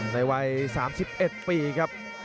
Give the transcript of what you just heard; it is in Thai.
ในวัย๓๑ปีครับ